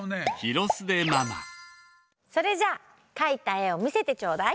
それじゃあ描いた絵をみせてちょうだい。